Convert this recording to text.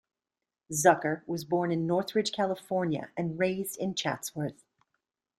Zucker was born in Northridge, California, and raised in Chatsworth.